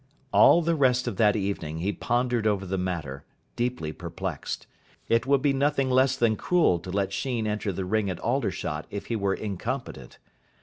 All the rest of that evening he pondered over the matter, deeply perplexed. It would be nothing less than cruel to let Sheen enter the ring at Aldershot if he were incompetent.